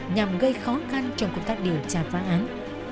nhằm gây khó khăn trong công tác điều tra phá án